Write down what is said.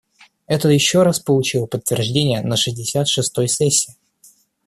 Это еще раз получило подтверждение на шестьдесят шестой сессии.